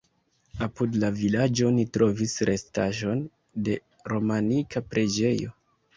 Apud la vilaĝo oni trovis restaĵon de romanika preĝejo.